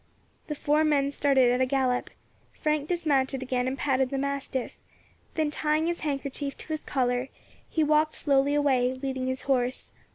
The four men started at a gallop. Frank dismounted again and patted the mastiff; then tying his handkerchief to its collar, he walked slowly away, leading his horse.